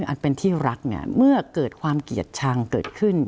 อันเป็นที่รักเนี่ยเมื่อเกิดความเกลียดชังเกิดขึ้น